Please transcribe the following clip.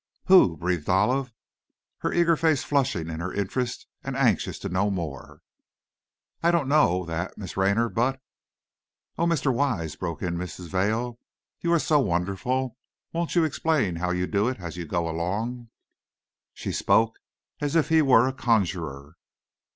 "Who?" breathed Olive, her eager face flushing in her interest and anxious to know more. "I don't know that, Miss Raynor, but " "Oh, Mr. Wise," broke in Mrs. Vail; "you are so wonderful! Won't you explain how you do it, as you go along?" She spoke as if he were a conjurer.